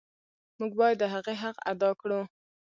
موږ باید د هغې حق ادا کړو.